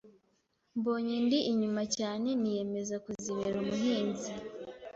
mbonye ndi inyuma cyane niYemeza kuzibera umuhinzi.